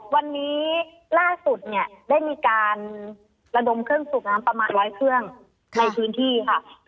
วันนี้ล่าสุดเนี่ยได้มีการระดมเครื่องสูบน้ำประมาณร้อยเครื่องในพื้นที่ค่ะ